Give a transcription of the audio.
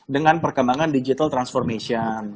dengan perkembangan digital transformation